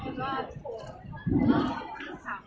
เวลาแรกพี่เห็นแวว